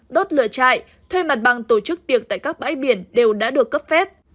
đốt lửa chạy thuê mặt bằng tổ chức tiệc tại các bãi biển đều đã được cấp phép